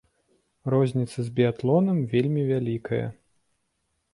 Розніца з біятлонам вельмі вялікая.